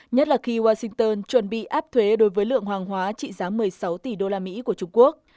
nhất là khi washington chuẩn bị áp thuế đối với lượng hoàng hóa trị giá một mươi sáu tỷ đô la mỹ của trung quốc